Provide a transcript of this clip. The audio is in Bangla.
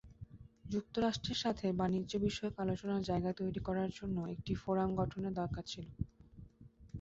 যুক্তরাষ্ট্রের সাথে বাণিজ্যবিষয়ক আলোচনার জায়গা তৈরির জন্য একটি ফোরাম গঠনের দরকার ছিল।